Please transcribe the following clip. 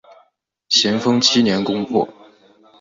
咸丰七年攻破。